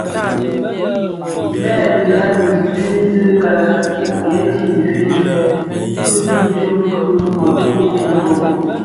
Bè dhëňrëňi dii di lè geeti in nfin kidhi tsom ki měkukuu, ntooto.